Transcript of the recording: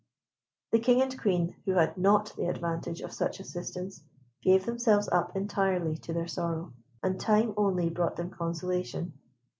The King and Queen, who had not the advantage of such assistance, gave themselves up entirely to their sorrow; and time only brought them consolation.